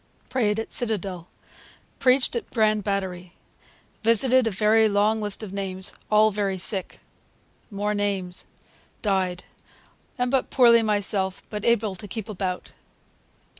Prayed at Citadel. Preached at Grand Batery. Visited [a long list of names] all verry Sick. [More names] Dy'd. Am but poorly myself, but able to keep about.'